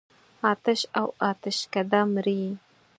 آتش او آتشکده مري.